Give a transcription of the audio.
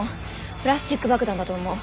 プラスチック爆弾だと思う。